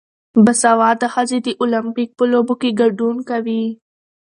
باسواده ښځې د اولمپیک په لوبو کې ګډون کوي.